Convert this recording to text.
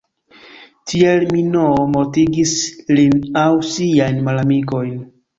Tiel Minoo mortigis lin aŭ siajn malamikojn.